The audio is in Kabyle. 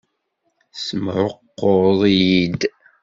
Tessemɛuqquḍ-iyi-d.